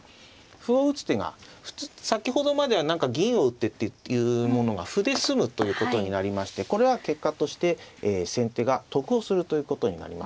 歩を打つ手が先ほどまでは何か銀を打ってっていうものが歩で済むということになりましてこれは結果として先手が得をするということになります。